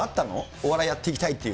お笑いやっていきたいっていう。